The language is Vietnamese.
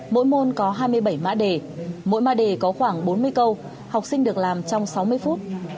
mỗi môn có hai mươi bảy mã đề mỗi mã đề có khoảng bốn mươi câu học sinh được làm trong sáu mươi phút